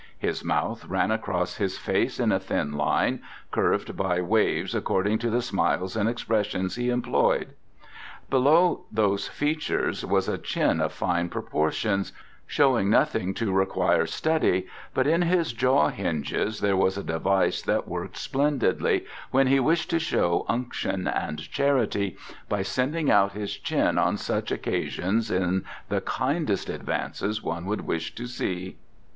His mouth ran across his face in a thin line, curved by waves according to the smiles and expressions he employed. Below those features was a chin of fine proportions, showing nothing to require study, but in his jaw hinges there was a device that worked splendidly, when he wished to show unction and charity, by sending out his chin on such occasions in the kindest advances one would wish to see.